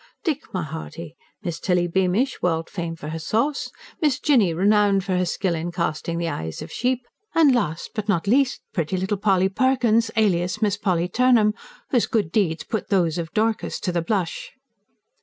Dick, my hearty, Miss Tilly Beamish, world famed for her sauce; Miss Jinny, renowned for her skill in casting the eyes of sheep; and, last but not least, pretty little Polly Perkins, alias Miss Polly Turnham, whose good deeds put those of Dorcas to the blush."